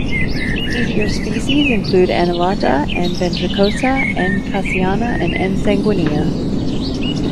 Easier species include "N. alata", "N. ventricosa", "N. khasiana", and "N. sanguinea".